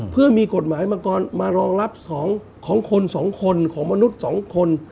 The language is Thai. เพื่อมีกฎหมายมารองรับของคนสองคนของมนุษย์สองคน